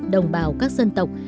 đồng bào các dân tộc